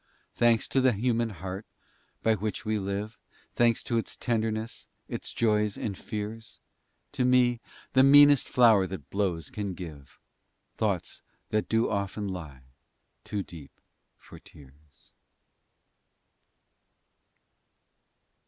Thanks to the human heart by which we live, Thanks to its tenderness, its joys, and fears, To me the meanest flower that blows can give Thoughts that do often lie too deep for tears.